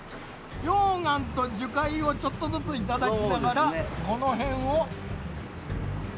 溶岩と樹海をちょっとずついただきながらこのへんを。